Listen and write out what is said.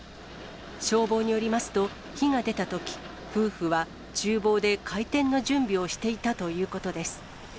消防によりますと、火が出たとき、夫婦はちゅう房で開店の準備をしていたということです。